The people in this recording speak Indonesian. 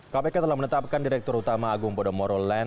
kpk telah menetapkan direktur utama agung podomoro land